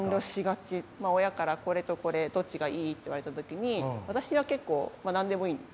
親から「これとこれどっちがいい？」って言われた時に私は結構何でもいいんですよね。